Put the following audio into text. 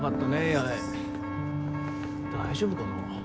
八重大丈夫かな？